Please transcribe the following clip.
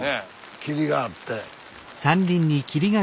霧があって。